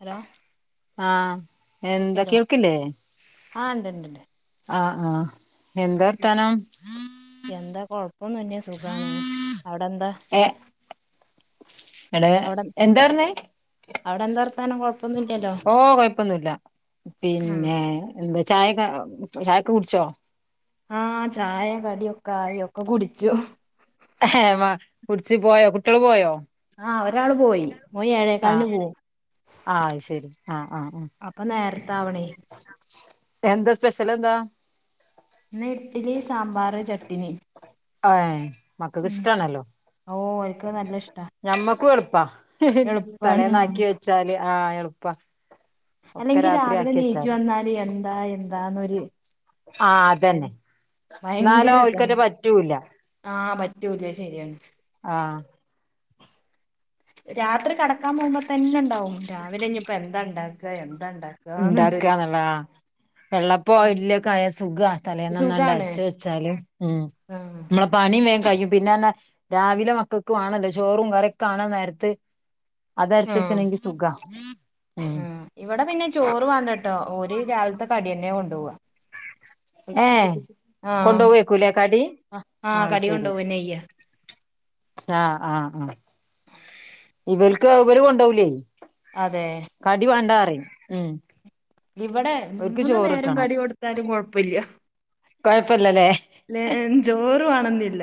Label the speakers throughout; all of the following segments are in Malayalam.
Speaker 1: ഹലോ
Speaker 2: ആഹ് എന്താ കേൾക്കില്ലേ
Speaker 1: ആഹ് ഉണ്ട്ണ്ട്ണ്ട്
Speaker 2: ആഹ് ആഹ് എന്താർത്താനം
Speaker 1: എന്താ കൊഴപ്പൊന്നില്ല സുഖാണ് അവിടെന്താ
Speaker 2: ഇവടെ എന്താ പറഞ്ഞേ
Speaker 1: അവിടെ എന്ത വർത്താനം കുഴപ്പ
Speaker 2: ഓഹ് കൊഴപ്പൊന്നുല്ല
Speaker 1: ഉം
Speaker 2: പിന്നെ എന്താ ചായക്ക് ചായക്കെ കുടിച്ചോ
Speaker 1: ആഹ് ചായ കടിയൊക്കെ ആയി ഒക്കെ കുടിച്ചു
Speaker 2: കുടിച്ച് പോയോ കുട്ടികള് പോയോ
Speaker 1: ആഹ് ഒരാള് പോയി മോൻ ഏഴേക്കാലിന്
Speaker 2: ആഹ്
Speaker 1: പോവും
Speaker 2: ആഹ് അത് ശരി ആഹ് ആഹ് ആഹ്
Speaker 1: അപ്പൊ നേരത്തെ ആവണേ
Speaker 2: എന്താ സ്പെഷ്യൽ എന്താ
Speaker 1: ഇന്ന് ഇഡലി സാമ്പാർ ചട്ടനി
Speaker 2: ആഹ് മക്കക്ക് ഇഷ്ടാണല്ലോ
Speaker 1: ഓഹ് ഓര്ക്ക് നല്ല ഇഷ്ടാ
Speaker 2: ഞമ്മക്കും എളുപ്പാ
Speaker 1: എളുപ്പാണ് ആ
Speaker 2: തലേന്നാക്കി വെച്ചാല് ആഹ് എളുപ്പാ ഒക്കെ
Speaker 1: അല്ലെങ്കി
Speaker 2: രാത്രി
Speaker 1: രാവിലെ
Speaker 2: ആക്കി
Speaker 1: നെയ്ച്ചു
Speaker 2: വെച്ചാല്
Speaker 1: വന്നാല് എന്താ എന്താന്നൊരു
Speaker 2: ആഹ്
Speaker 1: ഭയ
Speaker 2: അതന്നെ ന്നാലോ ഓൽക്കന്നെ പറ്റൂല്ല
Speaker 1: ആഹ പറ്റൂല്ല ശരിയാണ്
Speaker 2: ആഹ്
Speaker 1: രാത്രി കടക്കാൻ പോമ്പോ തന്നെണ്ടാവും രാവിലെ ഇനീപ്പോ എന്താണ്ടാക്കാ എന്താണ്ടാക്ക
Speaker 2: ഇണ്ടാക്കാന്നള്ള ആഹ് വെള്ളപ്പൊ ഇട്ലൊകായ സുഖാ
Speaker 1: സുഖാണ്
Speaker 2: തലേന്നന്നാണ്ടരച്ച് വെച്ചാല് ഉം
Speaker 1: ആഹ്
Speaker 2: പണിയും വേഗം കഴിയും പിന്നെന്നാ രാവിലെ മക്കൾക്ക് വേണല്ലോ ചോറും കറിക്കാണ നേരത്ത്
Speaker 1: ആഹ്
Speaker 2: അതരച്ചെച്ചാലെനിക്ക് സുഖാ ഉം
Speaker 1: ആഹ് ഇവിടെ പിന്നെ ചോറ് വാണ്ടട്ടോ ഒരു രാവിലത്തെ കടിയന്നെ കൊണ്ടു പോവാ
Speaker 2: ഏഹ്
Speaker 1: ആഹ്
Speaker 2: കൊണ്ടോവേക്കൂലേ കടി
Speaker 1: ആഹ് കടി കൊണ്ടോവന്നെയ്യ
Speaker 2: ആഹ് ആഹ് ആ ഇവര്ക്ക് ഇവര് കൊണ്ടൊവൂലേ
Speaker 1: അതെ
Speaker 2: കടി വേണ്ടാറയും ഉം
Speaker 1: ഇവിടെ
Speaker 2: ഓൽക്ക്
Speaker 1: മൂന്ന് നേരം
Speaker 2: ചോറിട്ടണം
Speaker 1: കടി കൊടുത്താലും കൊഴപ്പല്ല്യ
Speaker 2: കൊഴപ്പല്ലല്ലേ
Speaker 1: ലെ ഏ ജോറ് വാണെന്നില്ല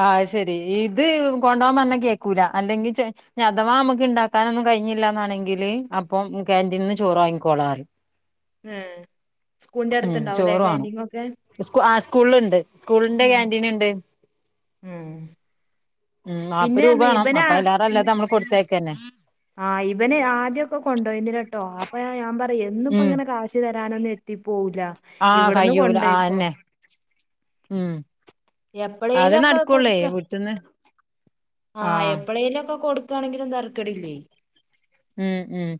Speaker 2: ആഹ് ശെരി ഇത് കൊണ്ടോം പറഞ്ഞാ കേക്കൂല അല്ലെങ്കി ഞഥവാമ്മക്ക് ഇണ്ടാക്കാനൊന്നും കയ്ഞ്ഞില്ലാന്നാണെങ്കില് അപ്പം കാന്റീന്ന്ന് ചോറ് വാങ്ങിക്കോളാറയു
Speaker 1: ഉം
Speaker 2: ഉം ചോറുവാണം സ്കു ആ സ്കൂള്ല്ണ്ട് സ്കൂളിന്റെ
Speaker 1: ഉം
Speaker 2: കാന്റീന്ണ്ട്
Speaker 1: ഉം
Speaker 2: ഉം
Speaker 1: പിന്നെ പറഞ്ഞ
Speaker 2: നാപ്പരൂപേണം
Speaker 1: ഇവനാ
Speaker 2: അപ്പ എല്ലാറെല്ലാതെ നമ്മ കൊടുത്തയക്കാന്
Speaker 1: ആഹ് ഇവനെ ആദ്യൊക്കെ കൊണ്ടോയിണ്ട്കേട്ടോ അപ്പൊ ഞാൻ പറയു
Speaker 2: ഉം
Speaker 1: എന്നുംപ്പങ്ങനെ ക്ശ് തരാനൊന്നു എ ത്തി പോവൂല
Speaker 2: ആഹ്
Speaker 1: ഇവിടന്ന്
Speaker 2: കയ്യൂല
Speaker 1: കൊണ്ടൊയ്ക്കോ
Speaker 2: ആന്നെ ഉം അതേ
Speaker 1: എപ്പളേലുവൊക്കെ
Speaker 2: നടക്കൊള്ളേ
Speaker 1: കൊടുക്ക
Speaker 2: വീട്ട്ന്ന്
Speaker 1: ആ
Speaker 2: ആഹ്
Speaker 1: എപ്പളേലൊക്കെ കൊടുക്ക ക്കാണെങ്കിലും തരക്കടില്ലെ
Speaker 2: ഉം ഉം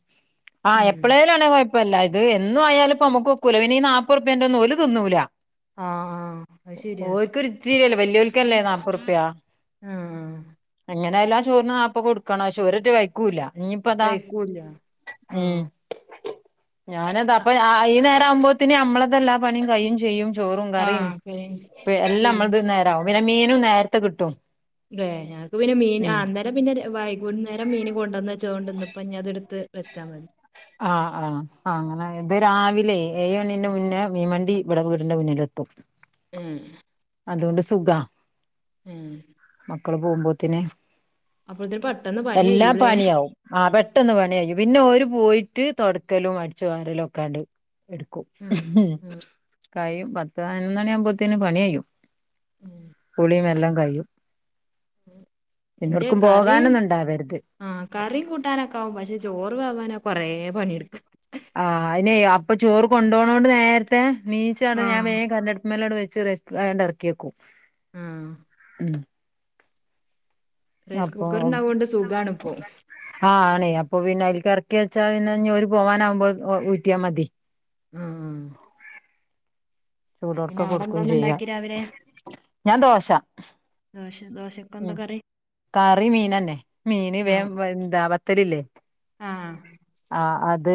Speaker 2: ആഹ്
Speaker 1: ഉം
Speaker 2: എപ്പളേലാണെ കൊയപ്പല്ല ഇത് എന്നും ആയാലുപ്പൊ നമക്കൊക്കൂല പിന്നീ നാപ്പറുപ്പ്യേന്റെന്നും ഓല് തിന്നൂല
Speaker 1: ആഹ് ആഹ് അത് ശരിയാണ്
Speaker 2: ഓര്ക്കൊരിത്തിരിയല്ലേ വല്യോര്ക്കല്ലേ നാപ്പത് റുപ്പിയ
Speaker 1: ആഹ് ആഹ്
Speaker 2: എങ്ങനായാലും ആ ചോറിന് നാപ്പ കൊടുക്കണോ ശോരട്ട് കയ്ക്കൂല്ല
Speaker 1: [unintelligible]
Speaker 2: ഉം
Speaker 1: ആഹ്
Speaker 2: ഞാനതാപ്പൊ അ ഈ നേരം ആവുമ്പോത്തിന് ഞമ്മള് എല്ലാ പണിയും കയും ചെയ്യും ചോറും കറിയും
Speaker 1: ആഹ്
Speaker 2: പി എല്ലാം
Speaker 1: ചെയ്യും
Speaker 2: നമ്മളിത് ണ്ടാവും പിന്നെ മീനു നേരത്തെ കിട്ടും
Speaker 1: [unintelligible] ഞക്ക് പിന്നെ മീൻ ആ
Speaker 2: ഉം
Speaker 1: അന്നെരം പിന്നെ വൈകുൻന്നേരം മീന് കൊണ്ടന്ന് വെച്ചതോണ്ട് ഇന്ന്പ്പനി അതെടുത്ത് വെച്ചാ മതി
Speaker 2: ആഹ് ആഹ് ആഹ് അങ്ങനെ ഇത് രാവിലെ ഏഴ് മണീന്റെ മുന്നേ മീവണ്ടി ഇവ്ടെ വീടിന്റെ മുന്നിലെത്തും
Speaker 1: ഉം
Speaker 2: അതൊണ്ട് സുഖാ
Speaker 1: ഉം
Speaker 2: മക്കള് പോമ്പോത്തിന്
Speaker 1: അപ്പോളത്തേന് പെട്ടെന്ന് പണി കയ്യൂല്ലേ
Speaker 2: പണിയാവും ആ പെട്ടെന്ന് പണി കഴിഞ്ഞു പിന്നെ ഓര് പോയിട്ട് തൊടക്കലും അടിച്ചു വാരലും ഒക്കെണ്ട് എടുക്കും
Speaker 1: ഉം
Speaker 2: ഹ്ഹു
Speaker 1: ഉം
Speaker 2: കയും പത്ത് പയ്നൊന്നണി ആമ്പോത്തേന് പണി കയ്യും
Speaker 1: ഉം
Speaker 2: കുളിയും എല്ലാം കയും പിന്നോട്ക്കും പോകാനൊന്നുണ്ടാവരുത്
Speaker 1: ആ കറീം കൂട്ടാനൊക്കാവും പക്ഷെ ചോറ് വേവാനാ കൊറേ പണിയെടുക്കാ
Speaker 2: ആഹ് അയിനെ അപ്പ ചോറ് കൊണ്ടോണോണ്ട് നേരത്തെ നീച്ചാണ്ട് ഞാൻ
Speaker 1: ആഹ്
Speaker 2: വേം കരണ്ടട് മ്മല്ലാട് വെച്ച് റൈസ് ആണ്ട് എറക്ക്യക്കും
Speaker 1: ആഹ് റൈസ് കുക്കറ് ഇണ്ടാവോണ്ട് സുഖാണ്പ്പോ
Speaker 2: ആഹ് ആണേ അപ്പൊ പിന്നെ അയില്ക്ക് എറക്കി വെച്ചാ പിന്നെ ഓര് പോവാനാവുമ്പോ ഊറ്റിയാ മതി
Speaker 1: ഉംഉം
Speaker 2: ചൂടോട്ക്ക
Speaker 1: അവിടെ
Speaker 2: കൊട്ക്കും ചെയ്യാ
Speaker 1: എന്താന്നുണ്ടാക്കി രാവിലെ
Speaker 2: ഞാൻ ദോശ
Speaker 1: ദോശ ദോശക്കെന്താ
Speaker 2: ഉം
Speaker 1: കറി
Speaker 2: കറി മീനെന്നെ മീന് വേം
Speaker 1: ആഹ്
Speaker 2: വെ എന്താ ബത്തല് ല്ലേ
Speaker 1: ആഹ്
Speaker 2: ആഹ് അത്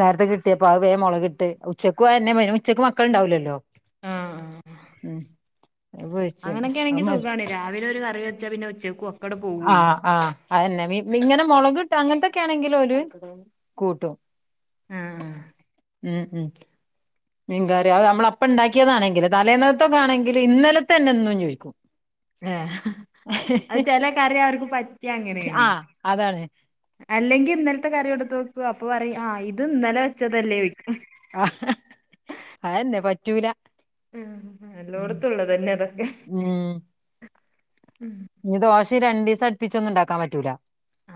Speaker 2: നേരത്തെ കിട്ടിയപ്പം അത് വേം മൊളകിട്ട് ഉച്ചക്ക് അതെന്നെ അയിന് ഉച്ചക്ക് മക്കള്ണ്ടാവൂലല്ലോ
Speaker 1: ആഹ് ആഹ്
Speaker 2: അത് പൊരിച്ച് അത്
Speaker 1: അങ്ങനെക്കാണെങ്കി
Speaker 2: മതി
Speaker 1: സുഖാണ് രാവിലോരു കറി വെച്ചാ പിന്നെ ഉ ച്ചയ്ക്കും
Speaker 2: ആഹ് ആഹ് അതെന്നെ മീ ഇങ്ങനെ മൊളകിട്ട് അങ്ങനത്തൊക്കൊണെങ്കില് ഓല് കൂട്ടും
Speaker 1: ആഹ് ആഹ്
Speaker 2: ഉം ഉം മീൻക്കറി അത് നമ്മള് അപ്പ ഇണ്ടാക്കിയതാണെങ്കില് തലേന്നത്തതൊക്കാണെങ്കില് ഇന്നലത്തെ തന്നെ ഇന്നും ചോയിക്കും
Speaker 1: ഏഹ് അത് ചെലേ കറി അവർക്ക് പറ്റ്യാ അങ്ങനെണ്
Speaker 2: ആഹ് അതാണ്
Speaker 1: അല്ലെങ്കി ഇന്നലത്തെ കറ്യോട്ത്തൊക്ക് അപ്പ പറിം ആ ഇത് ഇന്നലെ വെച്ചതല്ലേയ്ക്കും
Speaker 2: ആഹ് അതെന്നെ പറ്റൂലാ
Speaker 1: മ്മ് എല്ലോടത്തുള്ളതെന്നെ ഇതൊക്കെ മ്മ്
Speaker 2: ഇഞ്ഞ് ദോശ രണ്ടീസം അട്പ്പിച്ചൊന്നും ഇണ്ടാക്കാൻ പറ്റൂലാ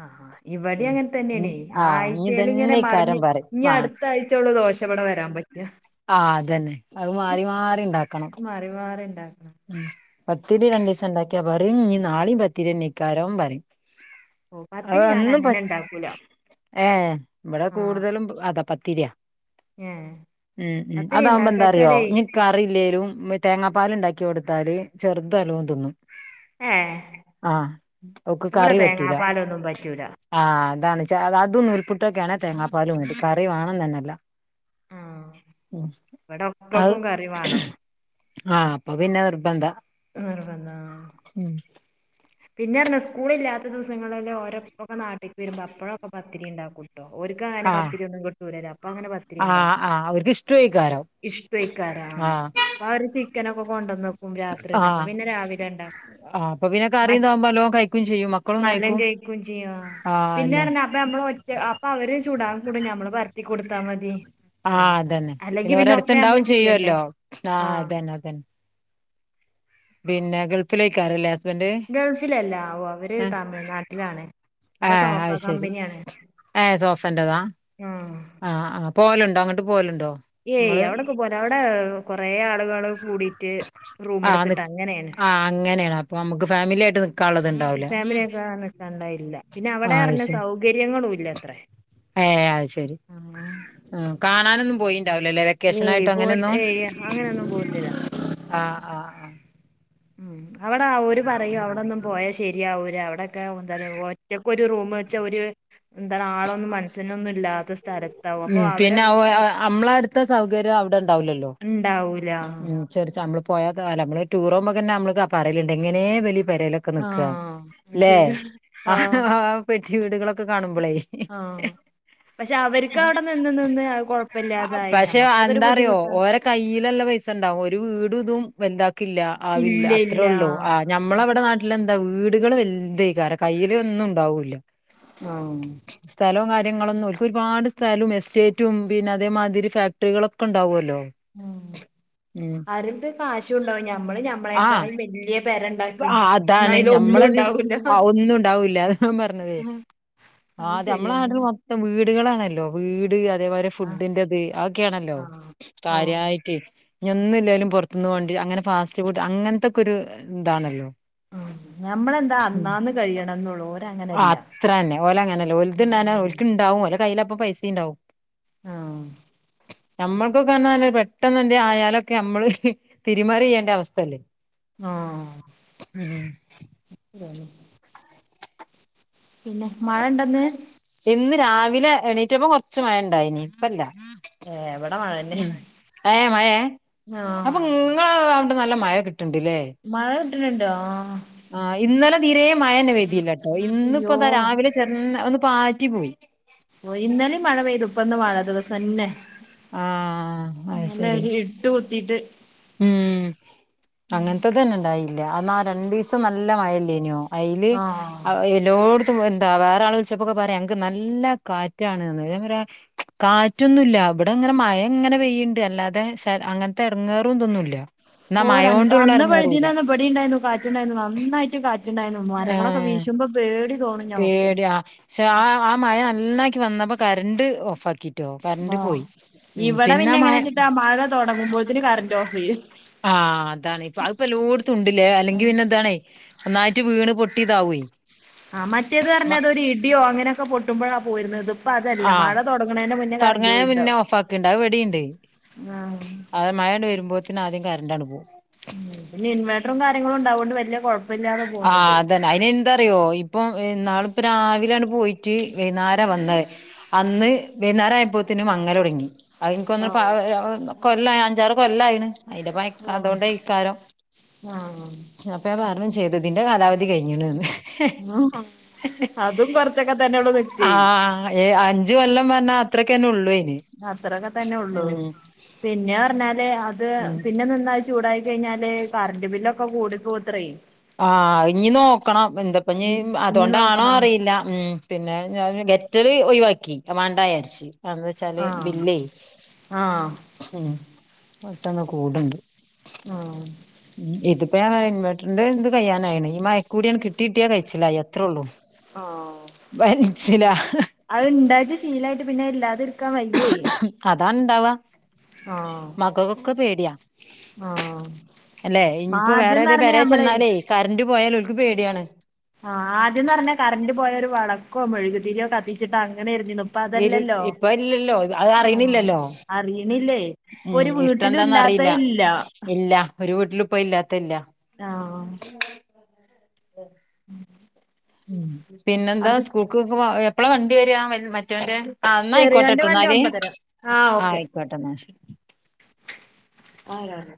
Speaker 1: ആഹ് ഇവെടിം അങ്ങനെ തന്നെയാണേ
Speaker 2: ആഹ് ഇനി
Speaker 1: ആഴ്ച്ചേല് ഇങ്ങനെ
Speaker 2: ഇതന്നെക്കാരം
Speaker 1: മറഞ്ഞ്
Speaker 2: പറയും
Speaker 1: ഇനി
Speaker 2: ആഹ്
Speaker 1: അട്ത്ത ആഴ്ച്ചോള്ളൂ ദോശ ഇവടെ വരാൻ പറ്റാ
Speaker 2: ആഹ് അതെന്നെ അത് മാറി മാറി ഇണ്ടാക്കണം
Speaker 1: മാറി മാറി ഇണ്ടാക്കണം
Speaker 2: ഉം പത്തിരി രണ്ടീസം ഇണ്ടാക്ക്യാ പറിം ഇഞ്ഞ് നാളീം പത്തിര്യേന്നെക്കാരം പറിം
Speaker 1: ഓഹ് പത്തിരി ഞാന് അങ്ങനെ ഇണ്ടാക്കൂല
Speaker 2: ഏഹ് ഇവടെ കൂടുതലും അതാ പത്തിര്യാ
Speaker 1: ഏ
Speaker 2: ഏഹ് ഏഹ്
Speaker 1: പത്തിരി
Speaker 2: അതാവുമ്പ എന്താറ്യോ
Speaker 1: ഉണ്ടാക്കാച്ചാലേ
Speaker 2: കറില്ലേലും മ്മ തേങ്ങാപ്പാല് ഇണ്ടാക്കി കൊട്ത്താല് ചെറ്ത് നല്ലോം തിന്നും
Speaker 1: ഏ
Speaker 2: ആഹ് ഓക്ക്
Speaker 1: ഇവിടെ
Speaker 2: കറി പറ്റൂല
Speaker 1: തേങ്ങാപ്പാലൊന്നും പറ്റൂല
Speaker 2: ആഹ് അതാണ് അതും നുൽപുട്ടോക്കാണേ തേങ്ങാപ്പാലൂട്ടി കറി വാണന്നെന്നെല്ല
Speaker 1: ആ
Speaker 2: ഉം
Speaker 1: ഇവിടെ
Speaker 2: അത്
Speaker 1: ഒക്കക്കും കറി വേണം
Speaker 2: ആഹ് അപ്പോ പിന്നെ നിർബന്ധാ
Speaker 1: നിർബന്ധാ ആഹ്
Speaker 2: ഉം
Speaker 1: പിന്നെറ്ഞ്ഞാ സ്കൂള്ല്ലാത്ത ദിവസങ്ങളില് ഓരേപ്പക്കെ നാട്ടിക്ക് വരുമ്പോ അപ്പോഴൊക്കെ പത്തിരിണ്ടാക്കും ട്ടോ ഒല്ക്കങ്ങനെ
Speaker 2: ആഹ്
Speaker 1: പത്തിര്യോന്നും കിട്ടൂലല്ലോ അപ്പങ്ങനെ പത്തിരി
Speaker 2: ആഹ് ആഹ് അവർക്ക് ഇഷ്ട്ടു ഏക്കാരം
Speaker 1: ഇഷ്ട്ടു ഏക്കാരം ആഹ് അപ്പവര് ചിക്കനൊക്കെ കൊണ്ടന്നക്കും രാത്രിയെന്നെ അപ്പ
Speaker 2: ആഹ്
Speaker 1: പിന്നെ രാവിലെണ്ടാ
Speaker 2: ആഹ് അപ്പൊ പിന്നെ കറിം ഇതാവുമ്പോ നല്ലോം കഴിക്കും ചെയ്യും മക്കളും
Speaker 1: നല്ല
Speaker 2: കഴിക്കും ആഹ് അതെന്നെ
Speaker 1: ഇത് നമ്മള് ഒറ്റ അപ്പൊ അവര് ചൂടാൻ കൂടും ഞമ്മള് പരത്തി കൊട്ത്താ മതി
Speaker 2: ആഹ്
Speaker 1: ഏഹ്
Speaker 2: അതന്നെ
Speaker 1: അല്ലെങ്കി
Speaker 2: പിന്നെ
Speaker 1: പിന്നൊക്കെ നമ്മള് ചെയ്യണ്ടേ ആഹ്
Speaker 2: ണ്ടാക്കാൻ പിന്നെ ഗൾഫിലേക്കാരല്ലേ ഹസ്‌
Speaker 1: ഗൾഫിലല്ലാവോ അവര് തമിഴ്നാട്ടിലാണ് അവിടെ
Speaker 2: ഏഹ്
Speaker 1: സോഫ
Speaker 2: അത് ശരി
Speaker 1: കമ്പനിയാണ്
Speaker 2: ഏ സോഫന്റെതാ
Speaker 1: ആഹ്
Speaker 2: ആഹ് ആഹ് പോവല്ണ്ടോ അങ്ങട്ട് പോവല്ണ്ടോ
Speaker 1: ഏയ് അവടെക്കെ പോരാ അവടെ കൊറേ ആളുകൾ കൂടിട്ട്
Speaker 2: ആഹ് നി
Speaker 1: റൂമെട്ത്ത്ട്ട് അങ്ങനെണ്
Speaker 2: ആഹ് അങ്ങനെയാണ് അപ്പൊ നമുക്ക് ഫാമിലി ആയിട്ട് നിക്കാനുള്ളത് ഇണ്ടാവൂല
Speaker 1: ഫാമിലിയൊക്കെ [unintelligible] പിന്നെ അവടെ
Speaker 2: ആഹ്
Speaker 1: ർഞ്ഞ സൗകര്യങ്ങളുല്ലത്രേ.
Speaker 2: ഏഹ് അത് ശരി ഉം കാണാനൊന്നും പോയിണ്ടാവുലല്ലെ വെ
Speaker 1: ഏയ്
Speaker 2: ക്കെഷനായിട്ട്
Speaker 1: പോയിട്ട്
Speaker 2: അങ്ങനെന്നും
Speaker 1: ഏയ് അങ്ങനെയൊന്നും പോയിട്ടില്ല
Speaker 2: ആഹ് ആഹ് ആഹ്
Speaker 1: ഉം അവടെ ഓര് പറയും അവടെന്നും പോയാ ശരിയാവുല അവടെ [unintelligible] ഒറ്റക്ക് ഒരു റൂം വെച്ച് ഒരു എന്താണ് ആളൊന്നും മൻസനൊന്നും ഇല്ലാത്ത സ്ഥല
Speaker 2: ഉം പിന്നെ നമ്മള അട്ത്ത സൗകര്യം അഒടെ ണ്ടാവുലല്ലോ.
Speaker 1: ണ്ടാവൂല
Speaker 2: [unintelligible] പോയ കാലം നമ്മള് റ്റൂറ് പോവുമ്പോ തന്നെ നമ്മള്ത് പറ്യല്ണ്ട് എങ്ങനെ ഇവല് പെരേല് ക്കെ നിക്ക
Speaker 1: ആഹ് അത്
Speaker 2: ല്ലേ
Speaker 1: ശരിയാണ്
Speaker 2: ആഹ് ആഹ് പെട്ടി വീടുകളൊക്കെ കാണുമ്പളേ
Speaker 1: ആഹ് പക്ഷെ അവർക്കാ അവടെ നിന്ന് നിന്ന് അഹ് കൊഴപ്പല്ലാതായി
Speaker 2: പക്ഷെ
Speaker 1: നമ്മക്ക് അതൊരു
Speaker 2: എന്താറിയോ
Speaker 1: ബുദ്ധിമുട്ടാ.
Speaker 2: ഓരെ കയ്യിലല്ല പൈസ ണ്ടാവും ഒരു വീടും ഇതും വലുതാക്കില്ല അഹ് ല്ല
Speaker 1: ഇല്ല ഇല്ല
Speaker 2: അത്രള്ളൂ ആ ഞമ്മളവടെ നാട്ടില ന്താ വീടുകള് വെൽതേക്കാരം കയ്യിൽ ഒന്നും ണ്ടാവൂല്ല.
Speaker 1: ആഹ്
Speaker 2: സ്ഥലും കാര്യങ്ങളൊന്നും ഓൽക്ക് ഒരുപാട് സ്ഥലം, എസ്റ്റേറ്റും പിന്നെ അതേമാതിരി ഫാക്ടറികളൊക്കെ ണ്ടാവുല്ലോ.
Speaker 1: ഉം അരുന്ത് കാശുണ്ടാവും ഞമ്മള് ഞമ്മളെക്കായി വല്യ പെര
Speaker 2: ആഹ് അതാണ് ഞമ്മളത് അ ഒന്നും ഉണ്ടാവൂല്ല ത ഞാൻ പർഞ്ഞത്.
Speaker 1: അത്
Speaker 2: ആതെ നമ്മളെ
Speaker 1: ശരിയെന്നെ
Speaker 2: നാട്ട്ൽ മൊത്തം വീട്കളാണല്ലോ വീട്ക [unintelligible]
Speaker 1: ആഹ്
Speaker 2: ഫുഡ്ഡ്ന്റെത് അഹക്കെണല്ലോ
Speaker 1: ആഹ് ഓഹ്
Speaker 2: കാര്യായിട്ട് എന്നുല്ലേലും പൊർത്ത്ന്ന് കൊണ്ടരും അങ്ങനെ ഫാസ്റ്റ് ഫുഡ് അങ്ങൻത്തക്കെരു താണല്ലോ.
Speaker 1: ഞമ്മളെന്താ അന്നാന്ന് കയ്യണംന്നള്ളൂ ഓ
Speaker 2: ആഹ് അത്രന്നെ ഓല അങ്ങനല്ല ഓൽത് ന്നാൻ ഓൽക്ക് ണ്ടാവും ഓലെ കയ്യില് അപ്പം പൈസിം ണ്ടാവും.
Speaker 1: ആഹ്
Speaker 2: [inaudible] നമ്മക്കൊക്കെന്നാല് പെട്ടെന്ന് എന്തേ ആയാലൊക്കെ നമ്മള് തി തിരിമറി യ്യേണ്ട അവസ്ഥല്ലേ.
Speaker 1: ആഹ്
Speaker 2: ഉം
Speaker 1: പിന്നെ മഴ ഇണ്ടന്ന്?
Speaker 2: ഇന്ന് രാവിലെ എണീറ്റപ്പോ കൊർച്ച് മഴ ണ്ടായിനി ഇപ്പല്ല.
Speaker 1: ഏഹ് ഇവടെ മഴന്നെ
Speaker 2: ഉം ഏഹ് മഴേ
Speaker 1: ആഹ്
Speaker 2: [unintelligible] നല്ല മഴ കിട്ട്ണ്ട്ല്ലേ?
Speaker 1: മഴ കിട്ട്ണ് ണ്ടോ? ആഹ്
Speaker 2: ആഹ് ഇന്നലെ തീരെ മഴന്നെ പെയ്തില്ലട്ടോ
Speaker 1: അയ്യോ
Speaker 2: ഇന്ന്പ്പോതാ രാവിലെ ചെർന്ന് ഒന്ന് പാറ്റി പോയി.
Speaker 1: ഓഹ് ഇന്നലിം മഴ പെയ്തു. പ്പ ഇന്ന് മഴ ദിവസം ന്നെ
Speaker 2: ആഹ് അത് ശരി
Speaker 1: നല്ലൊരു ഇട്ട് കുത്തിട്ട്
Speaker 2: ഉം അങ്ങൻത്തതന്നെ ണ്ടായില്ല. അന്നാ ആ രണ്ടീസം നല്ല മഴല്ലേനോ? അയില്
Speaker 1: ആഹ്
Speaker 2: എല്ലോട് എന്താ വേറെ ആള് വിളിച്ചപ്പൊക്കെ പറ്യാ അൻക്ക് നല്ല കാറ്റാണ് ന്ന് ഞാൻ പറ്യാ കാറ്റൊന്നുല്ല ഇവടെ ങ്ങനെ മഴ ഇങ്ങനെ പെയ്യ്ണ്ട് അല്ലാതെ ഷ അങ്ങൻത്തെ എടങ്ങേ [unintelligible] ന്നാ മഴോണ്ടുള്ള എടങ്ങേറൂല.
Speaker 1: വടിംണ്ടായിരുന്നു കാറ്റുണ്ടായിരുന്നു നന്നായിട്ട് കാറ്റുണ്ടായിരുന്നു മരങ്ങളൊക്കെ
Speaker 2: ഏഹ്
Speaker 1: വീശുമ്പോ പേടി തോണും ഞമ്മക്ക്.
Speaker 2: പേടിയാ പക്ഷെ ആഹ് ആഹ് മഴ നന്നാക്കി വന്നപ്പോ കറണ്ട് ഓഫാക്കി.
Speaker 1: വാ ഇവടെ പിന്നെ എങ്ങനെ ച്ചിട്ടാ മഴ തൊടങ്ങുമ്പോഴ്ത്തിന് കറന്റ് ഓഫ് യ്യും.
Speaker 2: ആഹ് അതാണ് ഇപ്പ അത് പ്പൊ എല്ലോട്ത്തും ണ്ട്ല്ലേ അല്ലെങ്കി പിന്നെ ഇതാണ് ഒന്നാ റ്റ് വീണ് പൊട്ടിതാവേ.
Speaker 1: ആഹ് മറ്റേത്
Speaker 2: മ
Speaker 1: ർഞ്ഞ അതൊരു ഇടിയോ അങ്ങനെക്കെ പൊട്ടുമ്പോഴാ പോര്ന്നത്.
Speaker 2: ആഹ് തൊടങ്ങണേന് മുന്നെ
Speaker 1: പോയിണ്ടാവും
Speaker 2: ഓഫാ ക്ക്ണ്ട് അത് ഇവടിണ്ട്.
Speaker 1: ആഹ്
Speaker 2: അത് മഴാണ്ട് വരുമ്പോത്തിന് ആദ്യം കറണ്ടാണ്ട് പോവും.
Speaker 1: ഉം പിന്നെ ഇൻവേർട്ടറും കാര്യങ്ങളും ഉണ്ടാവോണ്ട് വല്യ കൊഴപ്പം
Speaker 2: ആഹ് അതന്നെ അയിന് എന്താറിയോ ഇപ്പൊ ഇന്നാള്പ്പം രാവിലെയാണ് പോയിട്ട് വൈന്നേരാ വന്നേ അന്ന് വൈന്നാരം ആയപ്പോത്തിന് മങ്ങല് തൊടങ്ങി അഹ് ഇൻക്ക്
Speaker 1: ആഹ്
Speaker 2: തോന്നുണ് [unintelligible] കല്ലാ അഞ്ചാറ് കൊല്ലായിണ് അയിന്റെ പഴക്ക
Speaker 1: ആഹ്
Speaker 2: അതോണ്ട് അയ്ക്കാരം
Speaker 1: ആഹ്
Speaker 2: അപ്പ ഞാൻ പറഞ്ഞും ചെയ്തു ഇതിന്റെ കാലാവധി കഴിഞ്ഞിണ്ന്ന്
Speaker 1: അതും കൊറച്ചൊക്കെ തന്നെള്ളൂ നിക്കെയ്
Speaker 2: ഏഹ്‌ അഞ്ചു കൊല്ലം പറഞ്ഞാ അത്രക്കന്നെ ഉള്ളൂ അയിന്
Speaker 1: അത്രക്കെ തന്നെ ഒള്ളൂ
Speaker 2: ഉം
Speaker 1: പിന്നെ ർഞ്ഞാല് അത്
Speaker 2: ഉം
Speaker 1: പിന്നെ നിന്നാ ചൂടായി കഴിഞ്ഞാല് കറണ്ട് ബില്ലൊക്കെ കൂടിപ്പോവുത്രെ.
Speaker 2: ആഹ് ‌അഹ് ഇഞ്ഞി നോക്കണം എന്താപ്പ ഇനി
Speaker 1: ഇനി
Speaker 2: അതുകൊണ്ടാണോ
Speaker 1: നോക്കണോ
Speaker 2: അറിയില്ല ഉം പിന്നെ ഞാൻ ഗെറ്റല് ഒഴിവാക്കി വാണ്ടാ വിചാരിച്ച് ആത് എന്താ വെച്ചാല്
Speaker 1: ആഹ്
Speaker 2: ബില്ലേ
Speaker 1: ആഹ്
Speaker 2: ഉം പെട്ടന്ന് കൂട്ണ്ട്
Speaker 1: ആഹ്‌
Speaker 2: ഉം ഇതിപ്പോ ഞാൻ പറയാ ഇൻവെർട്ടറിന്റെ ഇത് കയ്യാന് ആയിണ് ഈ മയ കൂടിയണ്ട് കിട്ടിട്ടിയാ കഴിച്ചില്ലായി അത്രേ ഉള്ളൂ
Speaker 1: ആഹ്‌
Speaker 2: വലിച്ചിലാ
Speaker 1: അത് ണ്ടായിട്ട് ശീലായിട്ട് പിന്നെ ഇല്ലാതെ ഇരിക്കാൻ വയ്യേ
Speaker 2: ഉം അതാണ് ഉണ്ടാവാ
Speaker 1: ആഹ്
Speaker 2: മക്കക്കൊക്കെ പേടിയാ
Speaker 1: ആഹ്
Speaker 2: അല്ലെ ഇൻപ്പോ വേറെ
Speaker 1: ആദ്യംന്ന്
Speaker 2: ഏതേലും
Speaker 1: പറഞ്ഞ
Speaker 2: പെരേ
Speaker 1: നമ്മളെ
Speaker 2: ചെന്നാലേ കരന്റ് പോയാൽ ഓൽക്ക് പേടിയാണ്
Speaker 1: ആഹ്‌ ആദ്യന്ന് പറഞ്ഞ കറന്റ് പോയാ ഒരു വെളക്കോ മെഴുകുതിരിയോ കത്തിച്ചിട്ട് അങ്ങനെ ഇരുന്നിനു
Speaker 2: ഇരു ഇപ്പ ഇല്ലല്ലോ അത്
Speaker 1: ആഹ്
Speaker 2: അറിയുന്നില്ലല്ലോ
Speaker 1: അറിയണില്ലേ ഇപ്പൊ
Speaker 2: ഉം
Speaker 1: ഒരു വീട്ടിലും
Speaker 2: ഇരുട്ടെന്താന്ന്
Speaker 1: ഇല്ലാത്ത
Speaker 2: അറിയില്ല
Speaker 1: ഇല്ല
Speaker 2: ഇല്ല ഒരു വീട്ടിലു ഇപ്പോ ഇല്ലാത്തെ ഇല്ല.
Speaker 1: ആഹ്‌ ഉം
Speaker 2: ഉം പിന്നെന്താ സ്കൂൾക്ക് ഒക്കെ എപ്പളാ വണ്ടി വരാ മറ്റൊരെ ആഹ്‌ എന്നാ ആയിക്കോട്ടെ
Speaker 1: ചെറിയോന്റെ വണ്ടി
Speaker 2: എന്നാല്
Speaker 1: ഒമ്പതര ആഹ്
Speaker 2: ആ
Speaker 1: ഓക്കെ
Speaker 2: ആയിക്കോട്ടെ എന്നാ ശരി ആരാണ്